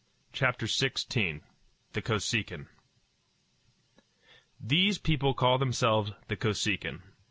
CHAPTER XVI THE KOSEKIN These people call themselves the Kosekin.